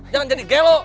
jangan jadi gelo